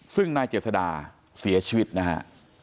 ซึ่งนายเจษดาเสียชีวิตนะฮะ